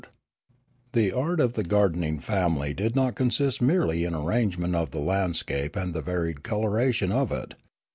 My Education Continued 261 The art of the gardening family did not consist merely in arrangement of the landscape and the varied colora tion of it.